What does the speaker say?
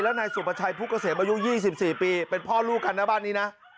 แล้วนายสุปชัยพุกเกษมอายุยี่สิบสี่ปีเป็นพ่อลูกคันนะบ้านนี้นะ